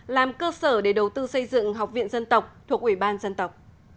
làm cơ sở để đầu tư xây dựng học viện dân tộc thuộc ủy ban dân tộc